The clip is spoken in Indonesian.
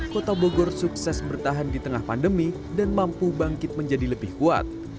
kota bogor sukses bertahan di tengah pandemi dan mampu bangkit menjadi lebih kuat